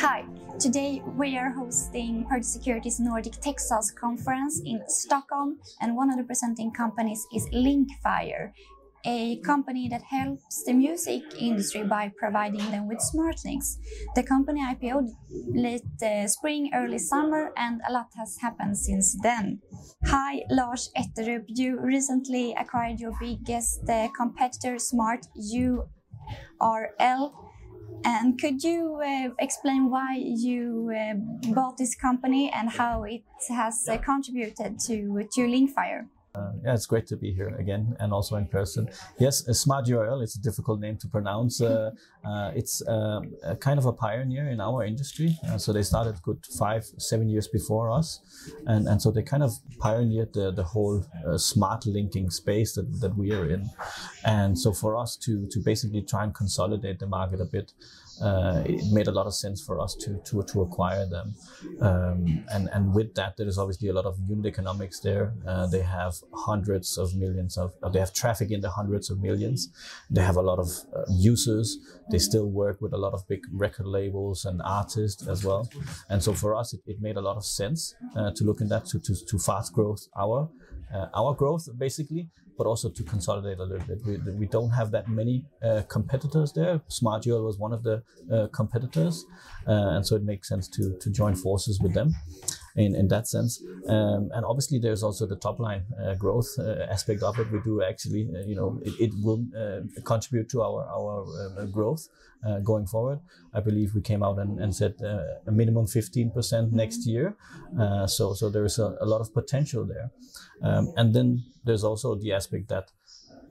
Hi. Today, we are hosting Pareto Securities Nordic TechSaaS Conference in Stockholm, and one of the presenting companies is Linkfire, a company that helps the music industry by providing them with smart links. The company IPO-ed late spring, early summer, and a lot has happened since then. Hi, Lars Ettrup. You recently acquired your biggest competitor, smartURL. Could you explain why you bought this company, and how it has contributed to Linkfire? Yeah, it's great to be here again, and also in person. Yes, smartURL, it's a difficult name to pronounce. It's a kind of a pioneer in our industry. They started a good five to seven years before us. They kind of pioneered the whole smart linking space that we are in. For us to basically try and consolidate the market a bit, it made a lot of sense for us to acquire them. With that, there is obviously a lot of unit economics there. They have traffic in the hundreds of millions. They have a lot of users. They still work with a lot of big record labels and artists as well. For us, it made a lot of sense to look into that to fast-growth our growth basically, but also to consolidate a little bit. We don't have that many competitors there. smartURL was one of the competitors, and so it makes sense to join forces with them in that sense. Obviously there's also the top line growth aspect of it. We do actually you know it will contribute to our growth going forward. I believe we came out and said a minimum 15% next year. There is a lot of potential there. There's also the aspect that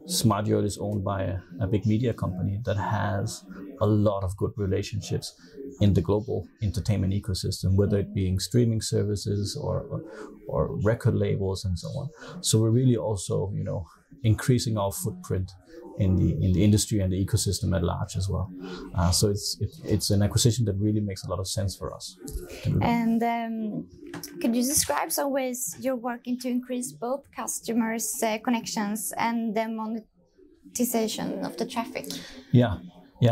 smartURL is owned by a big media company that has a lot of good relationships in the global entertainment ecosystem. Whether it being streaming services or record labels and so on. We're really also, you know, increasing our footprint in the industry and the ecosystem at large as well. It's an acquisition that really makes a lot of sense for us. Could you describe some ways you're working to increase both customers, connections and the monetization of the traffic? Yeah.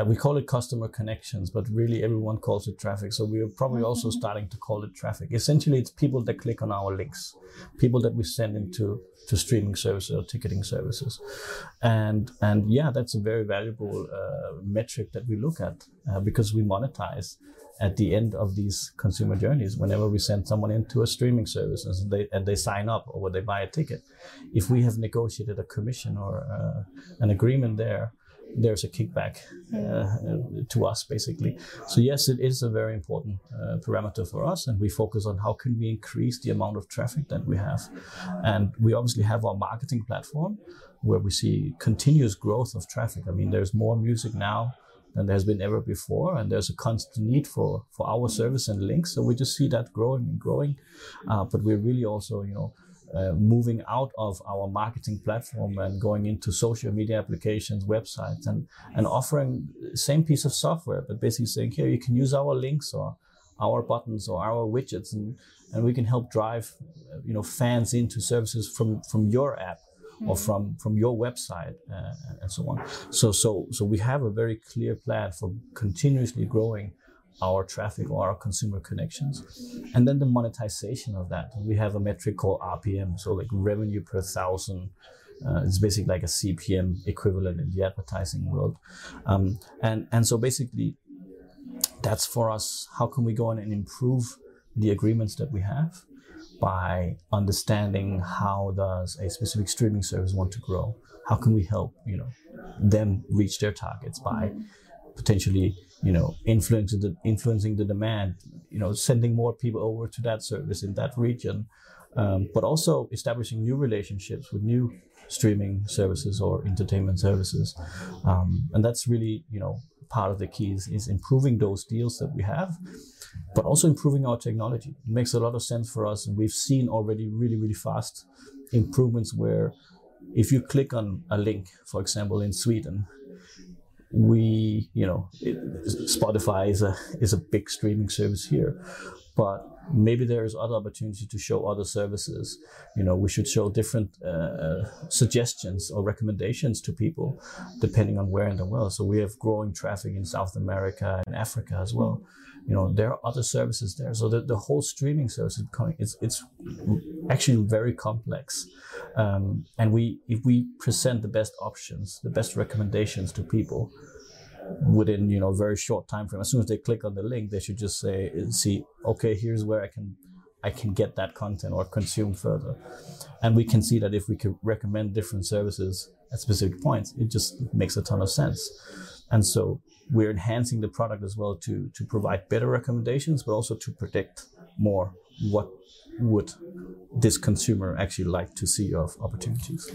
We call it consumer connections, but really everyone calls it traffic. We are probably also, starting to call it traffic. Essentially, it's people that click on our links, people that we're sending to streaming services or ticketing services. Yeah, that's a very valuable metric that we look at because we monetize at the end of these consumer journeys. Whenever we send someone into a streaming service and they sign up or they buy a ticket, if we have negotiated a commission or an agreement there's a kickback. To us basically. Yes, it is a very important parameter for us, and we focus on how can we increase the amount of traffic that we have. We obviously have our marketing platform where we see continuous growth of traffic. I mean, there's more music now than there's been ever before, and there's a constant need for our service. And links, so we just see that growing and growing. We're really also, you know, moving out of our marketing platform and going into social media applications, websites and offering same piece of software, but basically saying, "Here, you can use our links or our buttons or our widgets and we can help drive, you know, fans into services from your app. Yeah. Or from your website, and so on. We have a very clear plan for continuously growing our traffic or our consumer connections. The monetization of that, we have a metric called RPM, like revenue per thousand. It's basically like a CPM equivalent in the advertising world. Basically that's for us, how can we go in and improve the agreements that we have by understanding how does a specific streaming service want to grow. How can we help, you know, them reach their targets. By potentially, you know, influencing the demand, you know, sending more people over to that service in that region. But also establishing new relationships with new streaming services or entertainment services. That's really, you know, part of the key is improving those deals that we have, but also improving our technology. It makes a lot of sense for us, and we've seen already really fast improvements where if you click on a link, for example, in Sweden, you know, Spotify is a big streaming service here. But maybe there's other opportunity to show other services. You know, we should show different suggestions or recommendations to people depending on where in the world. We have growing traffic in South America and Africa as well. You know, there are other services there. The whole streaming service is coming. It's actually very complex. If we present the best options, the best recommendations to people within, you know, a very short timeframe, as soon as they click on the link, they should just say, "See, okay, here's where I can get that content or consume further." We can see that if we could recommend different services at specific points, it just makes a ton of sense. We're enhancing the product as well to provide better recommendations, but also to predict more what would this consumer actually like to see of opportunities.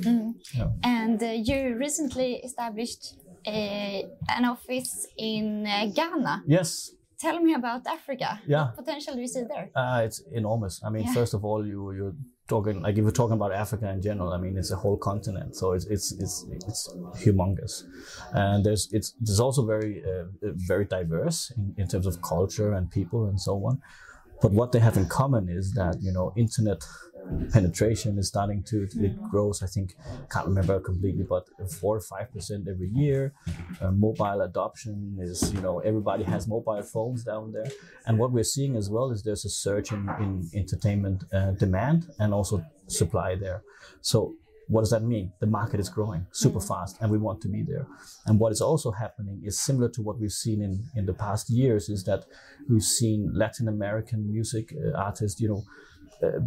Yeah. You recently established an office in Ghana. Yes. Tell me about Africa. Yeah. Potential you see there. It's enormous. Yeah. I mean, first of all, you're talking like you were talking about Africa in general. I mean, it's a whole continent, so it's humongous. There's also very diverse in terms of culture and people and so on. But what they have in common is that, you know, internet penetration is starting to grow. I think, can't remember completely, but 4% or 5% every year. Mobile adoption is, you know, everybody has mobile phones down there. What we're seeing as well is there's a surge in entertainment demand and also supply there. What does that mean? The market is growing super fast, and we want to be there. What is also happening is similar to what we've seen in the past years, is that we've seen Latin American music artists, you know,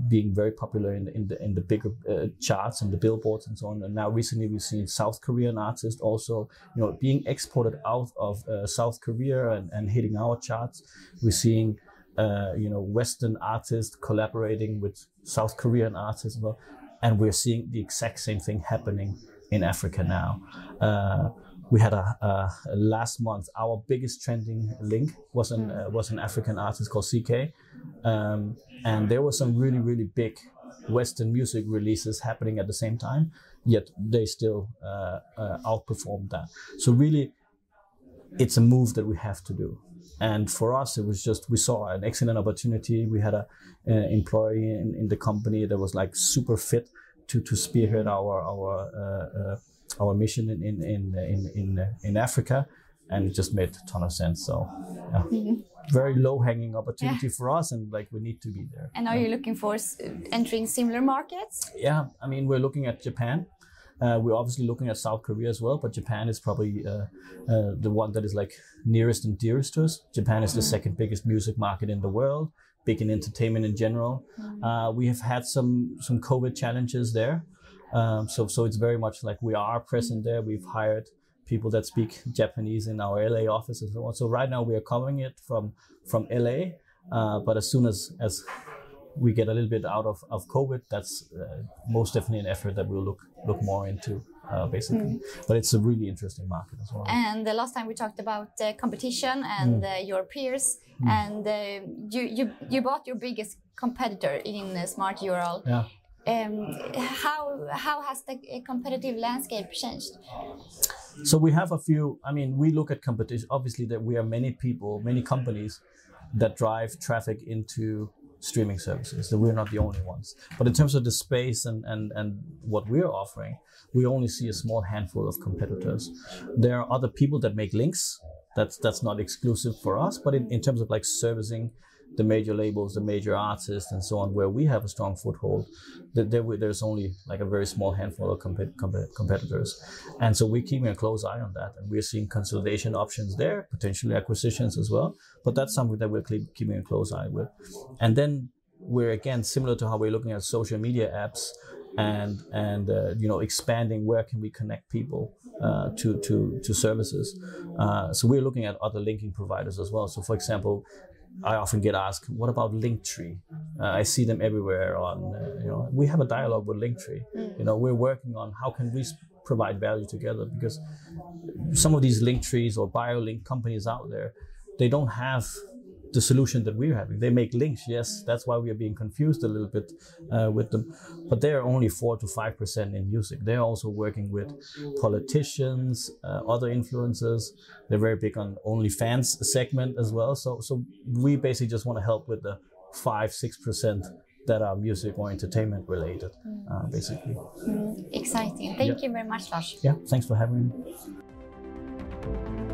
being very popular in the big charts and the Billboard and so on. Now recently we've seen South Korean artists also, you know, being exported out of South Korea and hitting our charts. We're seeing, you know, Western artists collaborating with South Korean artists as well, and we're seeing the exact same thing happening in Africa now. Last month, our biggest trending link was an African artist called CKay. And there were some really big Western music releases happening at the same time, yet they still outperformed that. Really, it's a move that we have to do, and for us it was just we saw an excellent opportunity. We had an employee in the company that was, like, super fit to spearhead our mission in Africa, and it just made a ton of sense, so yeah. Very low-hanging opportunity for us, and, like, we need to be there. Are you looking for entering similar markets? Yeah. I mean, we're looking at Japan. We're obviously looking at South Korea as well, but Japan is probably the one that is, like, nearest and dearest to us. Japan is the second-biggest music market in the world, big in entertainment in general. We have had some COVID challenges there. It's very much like we are present there. We've hired people that speak Japanese in our L.A. office as well. Right now we are covering it from L.A., but as soon as we get a little bit out of COVID, that's most definitely an effort that we'll look more into, basically. It's a really interesting market as well. The last time we talked about competition, your peers. You bought your biggest competitor in smartURL. Yeah. How has the competitive landscape changed? Obviously there, we are many people, many companies that drive traffic into streaming services, so we're not the only ones. But in terms of the space and what we are offering, we only see a small handful of competitors. There are other people that make links. That's not exclusive for us. But in terms of, like, servicing the major labels, the major artists and so on, where we have a strong foothold, there's only, like, a very small handful of competitors. We're keeping a close eye on that, and we're seeing consolidation options there, potentially acquisitions as well. But that's something that we're keeping a close eye with. We're again similar to how we're looking at social media apps and you know expanding where we can connect people to services so we're looking at other linking providers as well. For example, I often get asked, "What about Linktree? I see them everywhere on." You know, we have a dialogue with Linktree. You know, we're working on how can we provide value together, because some of these Linktree or bio link companies out there, they don't have the solution that we're having. They make links, yes. That's why we are being confused a little bit with them, but they are only 4%-5% in music. They are also working with politicians, other influencers. They're very big on OnlyFans segment as well. We basically just wanna help with the 5%-6% that are music or entertainment related. Basically. Exciting. Yeah. Thank you very much, Lars. Yeah. Thanks for having me.